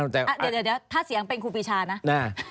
เดี๋ยวถ้าเสียงเป็นครูปีชานะ